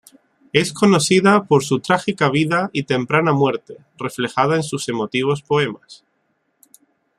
Es conocida por su trágica vida y temprana muerte, reflejada en sus emotivos poemas.